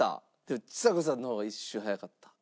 でもちさ子さんの方が一瞬早かった。